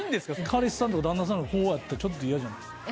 彼氏さんとか旦那さんがこうやったらちょっと嫌じゃないですか？